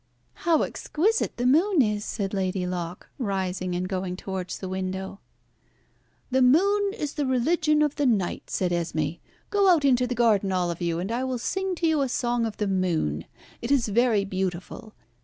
"How exquisite the moon is!" said Lady Locke, rising and going towards the window. "The moon is the religion of the night," said Esmé. "Go out into the garden all of you, and I will sing to you a song of the moon. It is very beautiful.